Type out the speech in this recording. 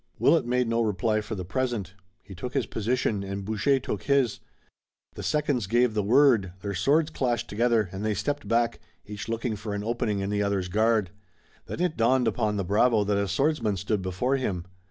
Willet made no reply for the present. He took his position and Boucher took his. The seconds gave the word, their swords clashed together, and they stepped back, each looking for an opening in the other's guard. Then it dawned upon the bravo that a swordsman stood before him.